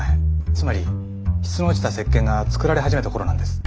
つまり質の落ちた石鹸が作られ始めた頃なんです。